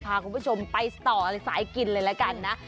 พาคุณผู้ชมไปต่อสายกินเลยละกันนะ